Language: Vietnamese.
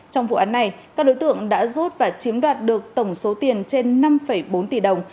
trong vụ án này các đối tượng đã rút và chiếm đoạt được tổng số tiền trên năm bốn tỷ đồng